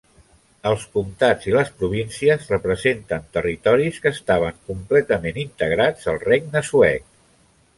Els comtats i les províncies representen territoris que estaven completament integrats al regne suec.